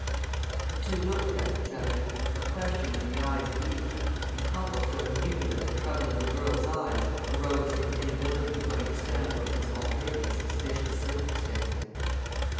The two looked at each other, a question in the eyes of each, and Copplestone knew that the trouble in the girl's eyes arose from inability to understand what was already a suspicious circumstance.